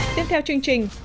tiếp theo chương trình